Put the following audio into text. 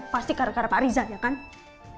pasti gara gara pak riza ya kan